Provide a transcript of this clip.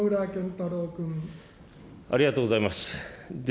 ありがとうございます。